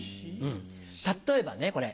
例えばねこれ。